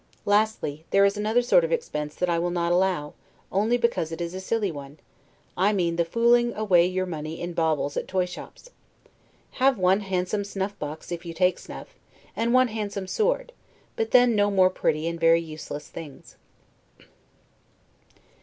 Lastly, there is another sort of expense that I will not allow, only because it is a silly one; I mean the fooling away your money in baubles at toy shops. Have one handsome snuff box (if you take snuff), and one handsome sword; but then no more pretty and very useless things.